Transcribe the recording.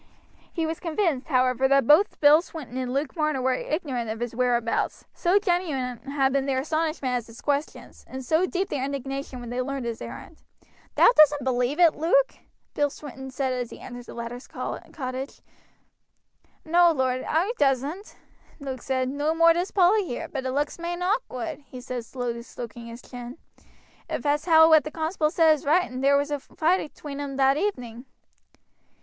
He was convinced, however, that both Bill Swinton and Luke Marner were ignorant of his whereabouts, so genuine had been their astonishment at his questions, and so deep their indignation when they learned his errand. "Thou duss'n't believe it, Luke?" Bill Swinton said as he entered the latter's cottage. "No, lad, oi duss'n't," Luke said; "no more does Polly here, but it looks main awkward," he said slowly stroking his chin, "if as how what the constable said is right, and there was a fight atween them that evening."